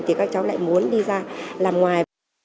thì các cháu lại muốn đi ra làm ngoài